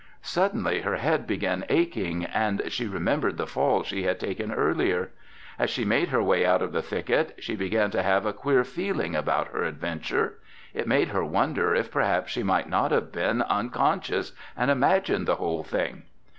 Suddenly her head began aching and she remembered the fall she had taken earlier. As she made her way out of the thicket, she began to have a queer feeling about her adventure. It made her wonder if perhaps she might not have been unconscious and imagined the whole thing.